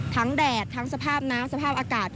แดดทั้งสภาพน้ำสภาพอากาศ